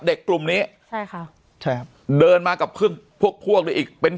เด็กกลุ่มนี้ค่ะใช่ครับเดินมากับพวกหรืออีกเป็น